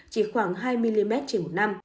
chỉ khoảng hai mm trên một năm